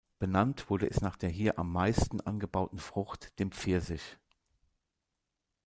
Benannt wurde es nach der hier am meisten angebauten Frucht, dem Pfirsich.